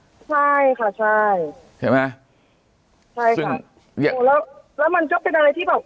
ยากไปหมดอ่ะใช่ค่ะใช่เห็นไหมฮะใช่ค่ะแล้วแล้วมันจะเป็นอะไรที่บอก